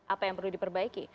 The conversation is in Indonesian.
apa yang perlu diperbaiki